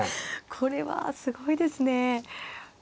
これはすごいですね。